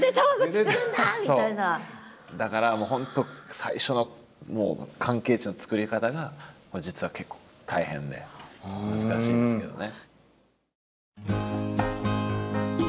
だから本当最初の関係値の作り方が実は結構大変で難しいんですけどね。